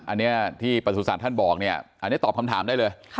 อันนี้ที่ประสุทธิ์ท่านบอกเนี่ยอันนี้ตอบคำถามได้เลย